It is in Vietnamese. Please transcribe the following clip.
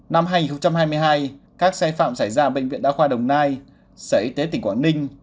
năm hai nghìn hai mươi hai các sai phạm xảy ra ở bệnh viện đa khoa đồng nai sở y tế tỉnh quảng ninh